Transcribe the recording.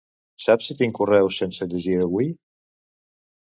Saps si tinc correus sense llegir d'avui?